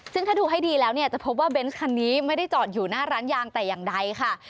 ซึ่งถ้าดูให้ดีแล้วเนี่ยจะพบว่าเบนส์คันนี้ไม่ได้จอดอยู่หน้าร้านยางแต่อย่างใดค่ะ